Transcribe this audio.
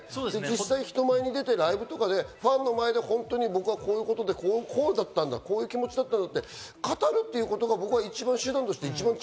実際、人前に出てライブとかでファンの前でこういうことで、こうだったんだ、こういう気持ちだったんだって語るということが一番手段として。